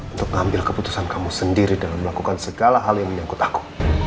untuk mengambil keputusan kamu sendiri dalam melakukan segala hal yang menyangkut aku